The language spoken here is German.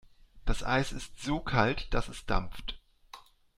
Das Eis ist so kalt, dass es dampft.